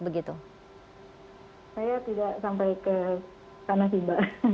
saya tidak sampai ke sana sih mbak